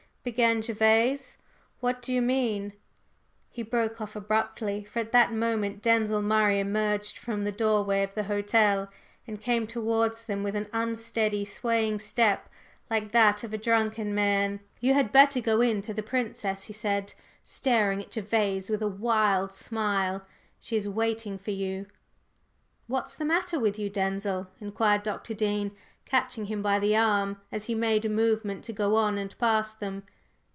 began Gervase. "What do you mean? …" He broke off abruptly, for at that moment Denzil Murray emerged from the doorway of the hotel, and came towards them with an unsteady, swaying step like that of a drunken man. "You had better go in to the Princess," he said, staring at Gervase with a wild smile; "she is waiting for you!" "What's the matter with you, Denzil?" inquired Dr. Dean, catching him by the arm as he made a movement to go on and pass them.